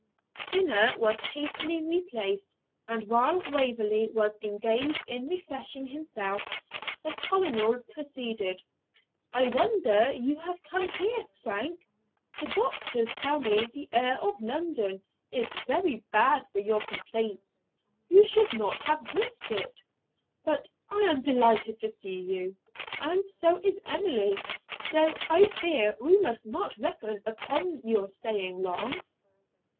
Dinner was hastily replaced, and while Waverley was engaged in refreshing himself, the Colonel proceeded 'I wonder you have come here, Frank; the Doctors tell me the air of London is very bad for your complaints. You should not have risked it. But I am delighted to see you, and so is Emily, though I fear we must not reckon upon your staying long.'